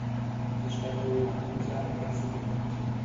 Die Stadt wurde nach Musa al-Kazim benannt.